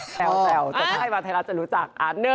ถ้าใครมาไทยรัฐจะรู้จัก๑๒๓